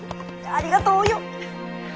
ありがとうお葉！